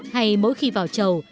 hay mỗi khi vào chầu